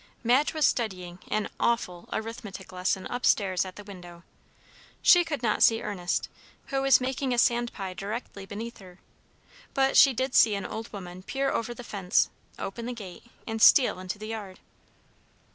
Madge was studying an "awful" arithmetic lesson upstairs at the window. She could not see Ernest, who was making a sand pie directly beneath her; but she did see an old woman peer over the fence, open the gate, and steal into the yard.